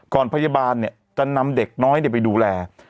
พยาบาลจะนำเด็กน้อยไปดูแล